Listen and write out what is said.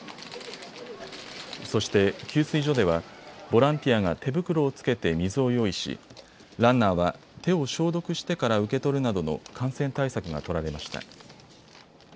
そして給水所ではボランティアが手袋を着けて水を用意しランナーは手を消毒してから受け取るなどの感染対策が取られました。